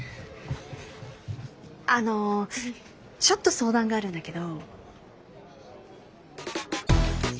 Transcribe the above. あのちょっと相談があるんだけど。